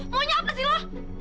maunya apa sih lo